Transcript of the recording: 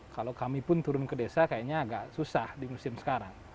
kalau kami pun turun ke desa kayaknya agak susah di musim sekarang